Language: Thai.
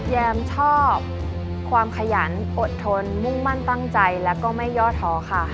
แรมชอบความขยันอดทนมุ่งมั่นตั้งใจและก็ไม่ย่อท้อค่ะ